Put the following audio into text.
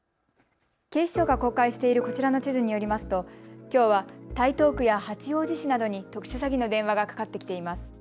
警視庁が公開しているこちらの地図によりますときょうは台東区や八王子市などに特殊詐欺の電話がかかってきています。